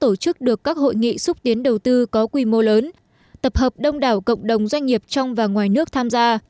đã tổ chức được các hội nghị xúc tiến đầu tư có quy mô lớn tập hợp đông đảo cộng đồng doanh nghiệp trong và ngoài nước tham gia